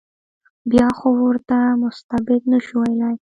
بیا خو ورته مستبد نه شو ویلای.